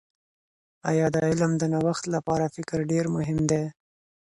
آیا د علم د نوښت لپاره فکر ډېر مهم دي؟